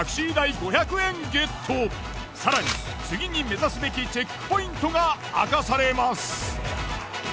更に次に目指すべきチェックポイントが明かされます。